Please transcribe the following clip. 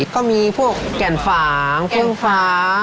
ก็มีพวกแก่นฝางเฟื่องฟ้า